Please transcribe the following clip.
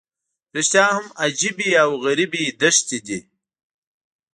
رښتیا هم عجیبې او غریبې دښتې دي.